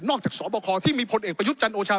จากสบคที่มีผลเอกประยุทธ์จันทร์โอชา